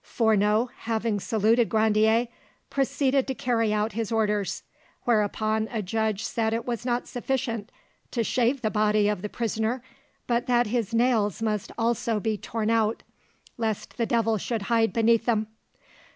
Fourneau having saluted Grandier, proceeded to carry out his orders, whereupon a judge said it was not sufficient to shave the body of the prisoner, but that his nails must also be torn out, lest the devil should hide beneath them.